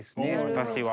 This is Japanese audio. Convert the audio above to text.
私は。